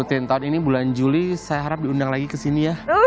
mungkin tahun ini bulan juli saya harap diundang lagi ke sini ya